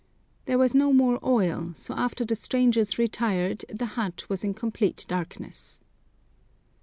There was no more oil, so after the strangers retired the hut was in complete darkness.